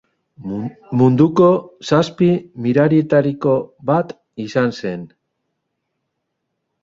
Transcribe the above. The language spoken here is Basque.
Munduko Zazpi Mirarietako bat izan zen.